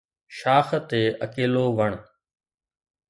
شاخ تي اڪيلو وڻ